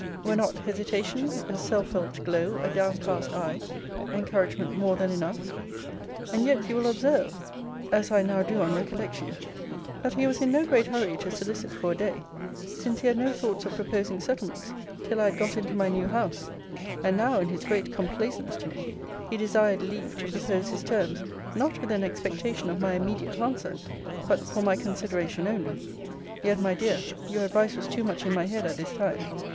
Were not hesitation, a self felt glow, a downcast eye, encouragement more than enough? and yet you will observe (as I now do on recollection) that he was in no great hurry to solicit for a day; since he had no thoughts of proposing settlements till I had got into my new house; and now, in his great complaisance to me, he desired leave to propose his terms, not with an expectation of my immediate answer; but for my consideration only Yet, my dear, your advice was too much in my head at this time.